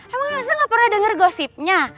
emang elsa gak pernah denger gosipnya